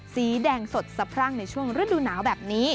สีแดงสดสับร่างในช่วงรื่นดุหนาวแบบนี้